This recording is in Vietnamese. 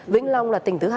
vĩnh long là tỉnh thứ hai